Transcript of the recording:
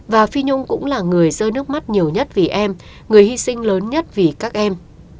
và phi nhung cũng là người rơi nước mắt nhiều nhất vì em người hy sinh lớn nhất vì các em